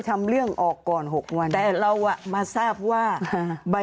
ตลาดล้อมบ้านเลย